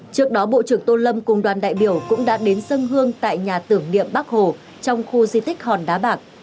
trước đó bộ trưởng tô lâm cùng đoàn đại biểu cũng đã đến sân hương tại nhà tưởng niệm bác hổ trong khu di tích hòn đá bạc